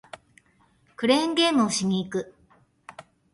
クレーンゲームをしに行く